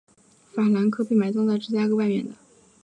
法兰克被埋葬在芝加哥外面的。